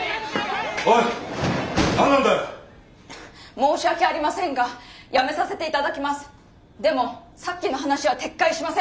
申し訳ありませんがやめさせて頂きます。